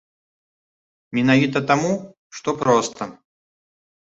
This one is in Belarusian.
Менавіта таму, што проста.